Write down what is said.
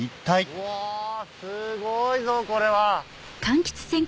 うわぁすごいぞこれは。